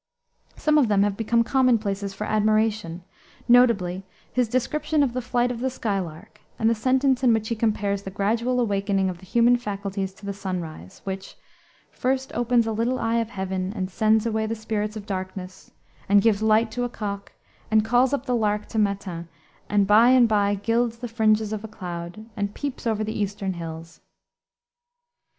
Some of them have become commonplaces for admiration, notably his description of the flight of the skylark, and the sentence in which he compares the gradual awakening of the human faculties to the sunrise, which "first opens a little eye of heaven, and sends away the spirits of darkness, and gives light to a cock, and calls up the lark to matins, and by and by gilds the fringes of a cloud, and peeps over the eastern hills."